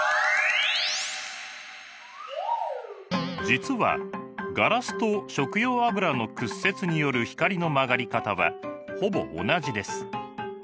実はガラスと食用油の屈折による光の曲がり方はほぼ同じです。